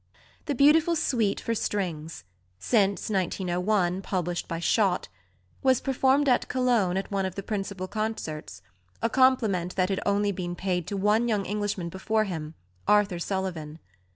The beautiful Suite for strings (since, 1901, published by Schott) was performed at Cologne at one of the principal concerts a compliment that had been paid to only one young Englishman before him, Arthur Sullivan.